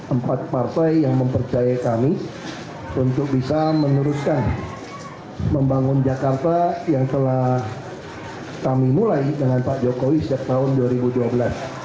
empat partai yang mempercaya kami untuk bisa meneruskan membangun jakarta yang telah kami mulai dengan pak jokowi sejak tahun dua ribu dua belas